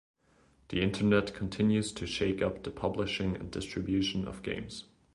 The internet continues to shake up the publishing and distribution of games.